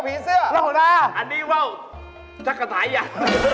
เฮ่ยอะไรว่าวป้ากกะสายยัน